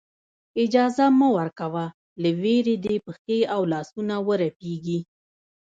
اجازه مه ورکوه له وېرې دې پښې او لاسونه ورپېږي.